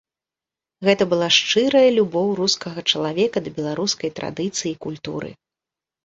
Гэта была шчырая любоў рускага чалавека да беларускай традыцыі і культуры.